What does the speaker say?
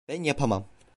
Ben yapamam.